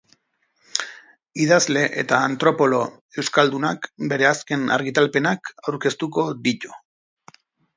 Idazle eta antropolo euskadunak bere azken argitalpenak aurkeztuko ditu.